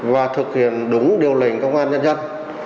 và thực hiện đúng điều lệnh công an nhân dân